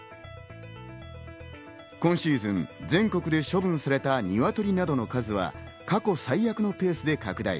今シーズン、全国で処分された鶏などの数は過去最悪のペースで拡大。